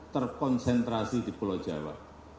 terkonsentrasi di pulau jawa